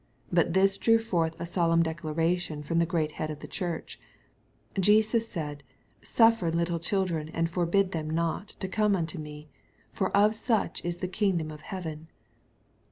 But this drew forth a solemn declaration from the great Head of the Church, — "Jesus said. Suffer little children, and forbid them not, to come unto me ; for of such is the kingdom of heaven."